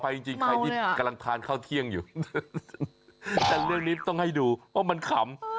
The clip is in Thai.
จริงใครที่กำลังทานข้าวเที่ยงอยู่แต่เรื่องนี้ต้องให้ดูว่ามันขำ